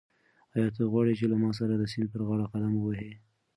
آیا ته غواړې چې له ما سره د سیند پر غاړه قدم ووهې؟